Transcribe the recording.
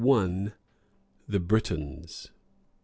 THE BRITONS.